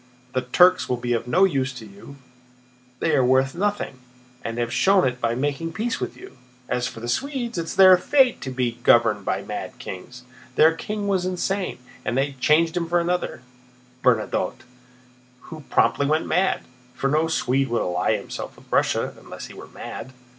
The Turks will be of no use to you; they are worth nothing and have shown it by making peace with you. As for the Swedes—it is their fate to be governed by mad kings. Their king was insane and they changed him for another—Bernadotte, who promptly went mad—for no Swede would ally himself with Russia unless he were mad."